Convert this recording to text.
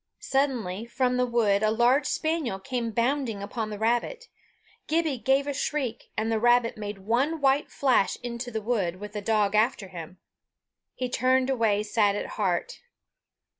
Suddenly from the wood a large spaniel came bounding upon the rabbit. Gibbie gave a shriek, and the rabbit made one white flash into the wood, with the dog after him. He turned away sad at heart.